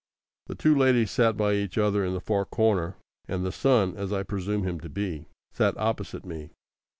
The two ladies sat by each other in the far corner, and the son (as I presume him to be) sat opposite me.